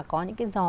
có những cái giò